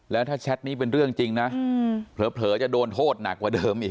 แล้วถ้าแชทนี้เป็นเรื่องจริงนะเผลอจะโดนโทษหนักกว่าเดิมอีก